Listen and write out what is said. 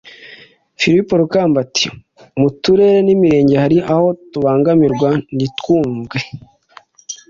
Filipo Rukamba ati "mu Turere n’Imirenge hari aho tubangamirwa ntitwumvwe